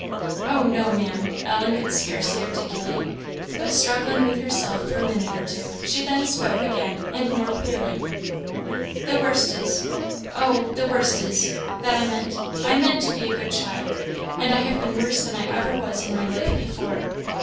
"Oh, no, Maam!" Ellen could scarcely articulate. But, struggling with herself for a minute or two, she then spoke again, and more clearly. "The worst is, oh! the worst is, that I meant I meant to be a good child, and I have been worse than ever I was in my life before."